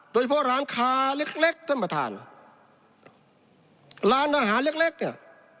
โดยเฉพาะร้านค้าเล็กเล็กท่านประธานร้านอาหารเล็กเล็กเนี่ย